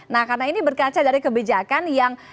nah karena ini berkaca dari kebijakan yang